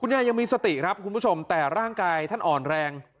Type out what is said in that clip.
ยายยังมีสติครับคุณผู้ชมแต่ร่างกายท่านอ่อนแรง